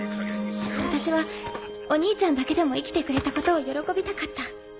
私はお兄ちゃんだけでも生きてくれたことを喜びたかった。